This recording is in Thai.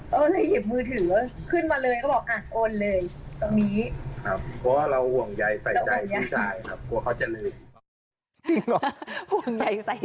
ก็เลยหยิบมือถือขึ้นมาเลย